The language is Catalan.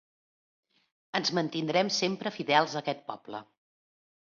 Ens mantindrem sempre fidels a aquest poble.